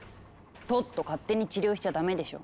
トット勝手に治療しちゃダメでしょ。